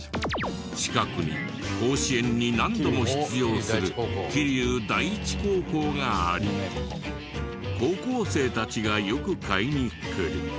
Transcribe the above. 近くに甲子園に何度も出場する桐生第一高校があり高校生たちがよく買いに来る。